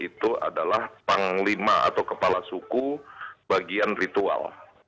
itu adalah panglima atau kepala suku bagian ritual